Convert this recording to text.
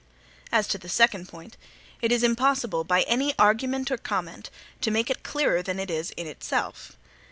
As to the second point, it is impossible, by any argument or comment, to make it clearer than it is in itself.